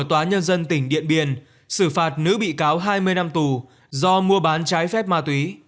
tòa nhân dân tỉnh điện biên xử phạt nữ bị cáo hai mươi năm tù do mua bán trái phép ma túy